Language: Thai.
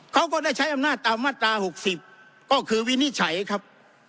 เขาก็ได้ใช้อำนาจตามมาตรา๖๐ก็คือวินิจฉัยครับ